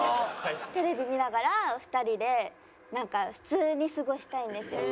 テレビ見ながら２人でなんか普通に過ごしたいんですよ。